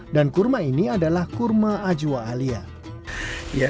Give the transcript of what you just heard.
dan kurma ini adalah kurma ajwa alia